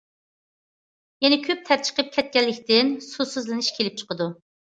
يەنە كۆپ تەر چىقىپ كەتكەنلىكتىن سۇسىزلىنىش كېلىپ چىقىدۇ.